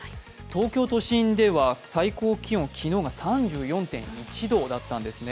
東京都心では最高気温、昨日が３４．１度だったんですね。